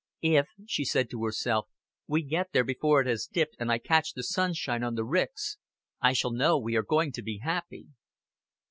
"If," she said to herself, "we get there before it has dipped and I catch the sunshine on the ricks, I shall know we are going to be happy."